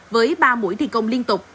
với ba mũi thi công liên tục